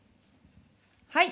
はい。